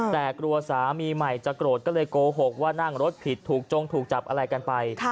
แต่กลัวสามีใหม่จะโกรธก็เลยโกหกว่านั่งรถผิดถูกจงถูกจับอะไรกันไป